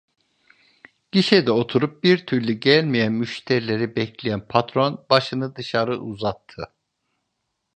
Gişede oturup bir türlü gelmeyen müşterileri bekleyen patron başını dışarı uzattı.